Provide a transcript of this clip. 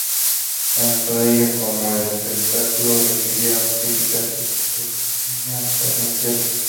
Tanto ella como el espectáculo recibieron críticas entusiastas.